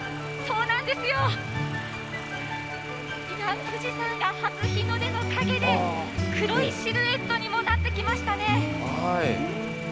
そうなんですよ、今、富士山が初日の出の影で黒いシルエットになってきましたね。